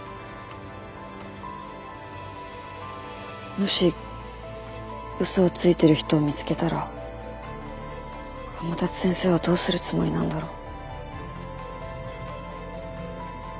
もし嘘をついてる人を見つけたら天達先生はどうするつもりなんだろう。